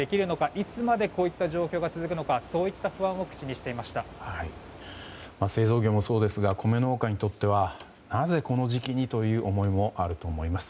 いつまでこういった状況が続くのか農業もそうですが米農家にとってはなぜこの時期にという思いもあると思います。